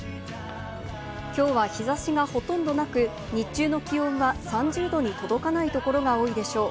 きょうは日差しがほとんどなく、日中の気温は３０℃に届かないところが多いでしょう。